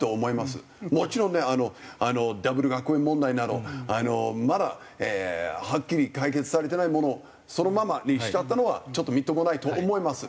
もちろんねあのダブル学園問題などまだはっきり解決されてないものをそのままにしちゃったのはちょっとみっともないと思います。